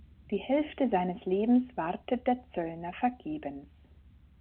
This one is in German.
Die Hälfte seines Lebens wartet der Zöllner vergebens.